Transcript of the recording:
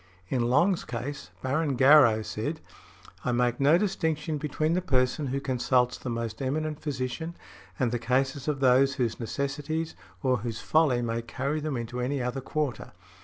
In Long's case, Baron Garrow said, "I make no distinction between the person who consults the most eminent physician and the cases of those whose necessities or whose folly may carry them into any other quarter.